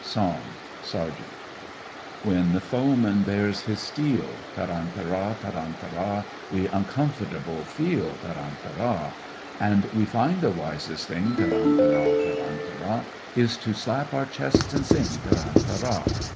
SONG—SERGEANT When the foeman bares his steel, Tarantara! tarantara! We uncomfortable feel, Tarantara! And we find the wisest thing, Tarantara! tarantara! Is to slap our chests and sing, Tarantara!